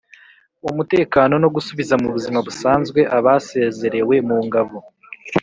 umutekano no gusubiza mu buzima busanzwe abasezerewe mu ngabo